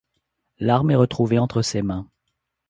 L'arme est retrouvée entre ses mains.